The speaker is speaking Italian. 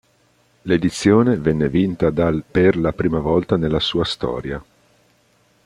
L'edizione venne vinta dal per la prima volta nella sua storia.